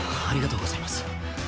ありがとうございます。